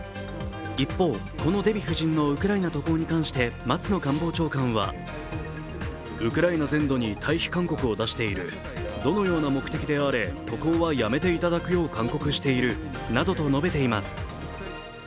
一方、このデヴィ夫人のウクライナ渡航に関して松野官房長官はウクライナ全土に退避勧告を出している、どのような目的であれ渡航はやめていただくよう勧告しているなどと述べています。